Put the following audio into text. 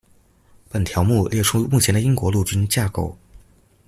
本条目列出目前的英国陆军架构。